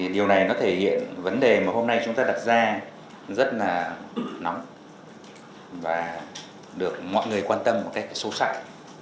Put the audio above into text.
điều này nó thể hiện vấn đề mà hôm nay chúng ta đặt ra rất là nóng và được mọi người quan tâm một cách sâu sắc